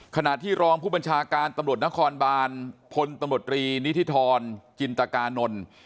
ขณะที่รองผู้บัญชาการตำรวจนครบานพลตำรวจรีนิธิธรจินตกานนท์